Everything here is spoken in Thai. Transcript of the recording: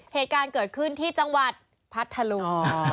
เหตุการณ์เกิดขึ้นที่จังหวัดพัทธลุง